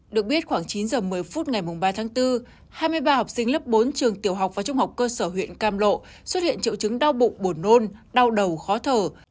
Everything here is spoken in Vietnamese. được biết khoảng chín h một mươi phút ngày ba tháng bốn hai mươi ba học sinh lớp bốn trường tiểu học và trung học cơ sở huyện cam lộ xuất hiện triệu chứng đau bụng buồn nôn đau đầu khó thở